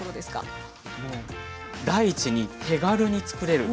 もう第一に手軽に作れる。